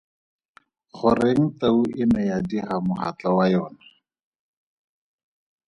Goreng tau e ne ya diga mogatla wa yona?